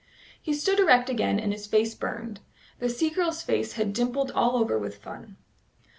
He stood erect again, and his face burned. The sea girl's face had dimpled all over with fun.